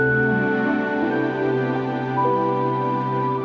aku ingin mencobanya